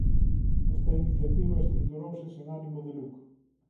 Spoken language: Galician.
Esta iniciativa estruturouse sen ánimo de lucro.